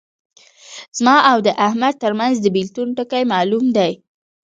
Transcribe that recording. زما او د احمد ترمنځ د بېلتون ټکی معلوم دی.